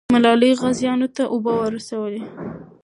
ملالۍ غازیانو ته اوبه رسولې.